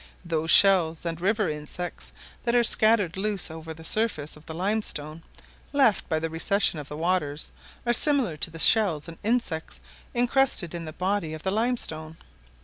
Those shells and river insects that are scattered loose over the surface of the limestone, left by the recession of the waters, are similar to the shells and insects incrusted in the body of the limestone.